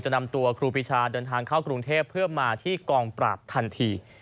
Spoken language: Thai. นำตัวครูปีชาเดินทางเข้ากรุงเทพเพื่อมาที่กองปราบทันที